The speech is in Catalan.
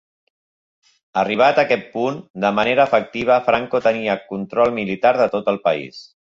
Arribat a aquest punt, de manera efectiva Franco tenia control militar de tot el país.